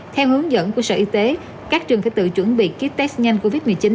theo hướng dẫn của sở y tế các trường phải tự chuẩn bị ký test nhanh covid một mươi chín